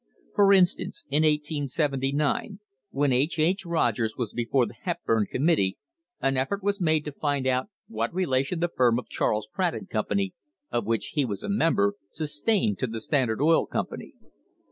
For instance, in 1879, when H. H. Rogers was before the Hep burn Committee, an effort was made to find out what rela tion the firm of Charles Pratt and Company, of which he was a member, sustained to the Standard Oil Company.